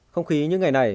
không khí những ngày này